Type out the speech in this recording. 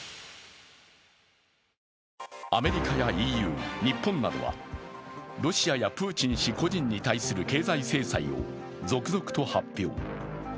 アメリカやＥＵ、日本などはロシアやプーチン氏個人に対する経済制裁を続々と発表。